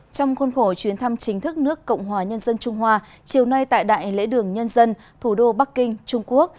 trong khuôn khổ chuyến thăm chính thức nước cộng hòa nhân dân trung hoa chiều nay tại đại lễ đường nhân dân thủ đô bắc kinh trung quốc